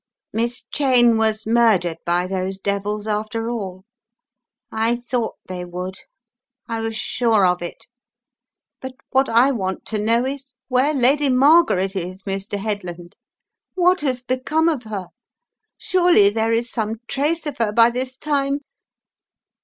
"Miss Cheyne was murdered by those devils, after all. I thought they would. I was sure of it ! But what I want to know is, where Lady Margaret is, Mr. Headland? What has become of her? Surely there is some trace of her by this time!"